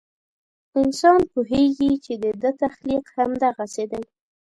انسان پوهېږي چې د ده تخلیق همدغسې دی.